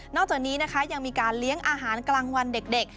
จากนี้นะคะยังมีการเลี้ยงอาหารกลางวันเด็ก